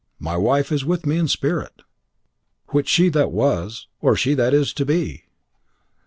"My wife is with me in spirit." "Which, she that was, or she that is to be?"